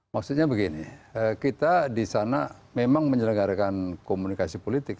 maksudnya begini kita di sana memang menyelenggarakan komunikasi politik